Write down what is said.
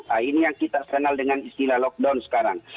nah ini yang kita kenal dengan istilah lockdown sekarang